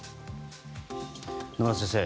野村先生